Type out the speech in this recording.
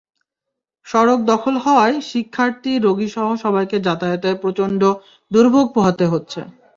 সড়ক দখল হওয়ায় শিক্ষার্থী, রোগীসহ সবাইকে যাতায়াতে প্রচণ্ড দুর্ভোগ পোহাতে হচ্ছে।